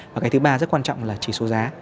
và cái thứ ba rất quan trọng là chỉ số giá